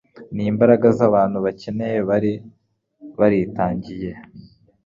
n’imbaraga z’abantu bakeya bari baritangiye